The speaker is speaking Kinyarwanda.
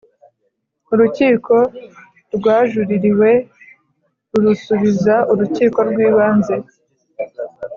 urukiko rwajuririwe rurusubiza urukiko rw ibanze